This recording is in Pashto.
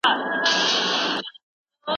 د سمو پرېکړو لپاره سياسي پوهه ډېره اړينه ده.